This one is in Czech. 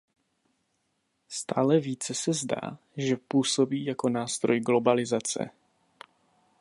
Stále více se zdá, že působí jako nástroj globalizace.